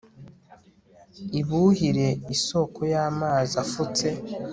ibuhire isoko y'amazi afutse